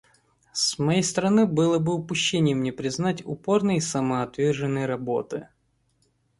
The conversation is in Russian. С моей стороны было бы упущением не признать упорной и самоотверженной работы.